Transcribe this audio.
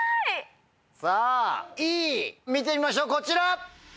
さぁＥ見てみましょうこちら！